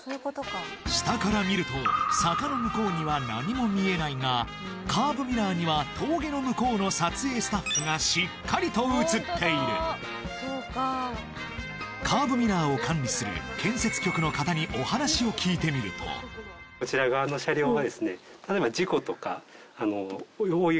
下から見ると坂の向こうには何も見えないがカーブミラーには峠の向こうの撮影スタッフがしっかりと映っているカーブミラーを管理する建設局の方にお話を聞いてみるとこちら側の車両がですね